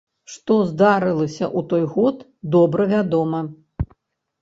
Што здарылася ў той год, добра вядома.